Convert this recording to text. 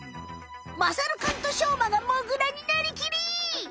まさるくんとしょうまがモグラになりきり！